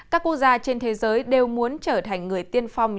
các quốc gia trên thế giới đều muốn trở thành người tiên phong